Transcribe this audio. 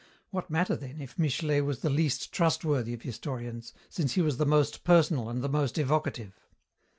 What matter, then, if Michelet was the least trustworthy of historians since he was the most personal and the most evocative?